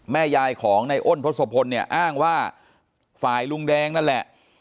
แม่ยายของในอ้นทศพลเนี่ยอ้างว่าฝ่ายลุงแดงนั่นแหละ